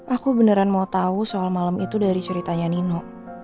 aku beneran mau tahu soal malam itu dari ceritanya nino